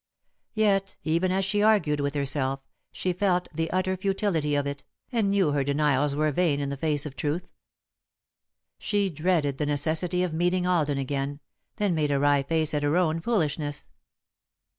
Yet, even as she argued with herself, she felt the utter futility of it, and knew her denials were vain in the face of truth. [Sidenote: Roaming through the Village] She dreaded the necessity of meeting Alden again, then made a wry face at her own foolishness.